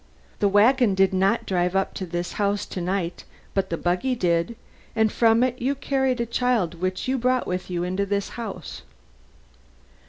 The wagon did not drive up to this house to night, but the buggy did, and from it you carried a child which you brought with you into this house."